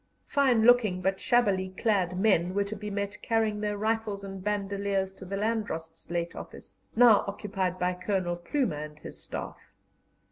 Fine looking but shabbily clad men were to be met carrying their rifles and bandoliers to the Landrost's late office, now occupied by Colonel Plumer and his Staff.